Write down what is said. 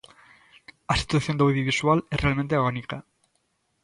A situación do audiovisual é realmente agónica.